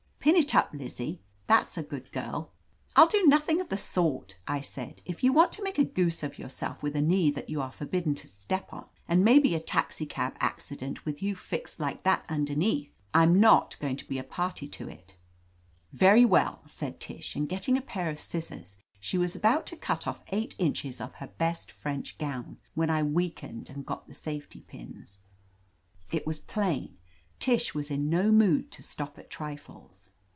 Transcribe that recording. Pin it up, Lizzie ; that's a good girl.^' ^ "I'll do nothing of the sort," I said. "If you want to make a goose of yourself with a knee that you are forbidden to step on, and maybe a taxicab accident with you fixed like 162 OF LETITIA CARBERRY that underneath, I'm not going to be a party to It/' "Very well!" said Tish', and getting a pair 'of scissors, she was about to cut off eight inches of her best French gown, when I weak ened and got the safety pins. It was plain, Tish was in no mood to stop at trifles.